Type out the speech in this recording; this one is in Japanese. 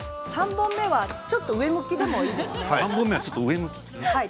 ３本目はちょっと上向きでもいいですね。